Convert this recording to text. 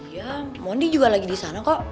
iya mondi juga lagi disana kok